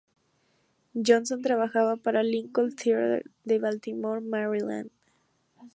Johnson, trabajaba para el Lincoln Theater de Baltimore, Maryland.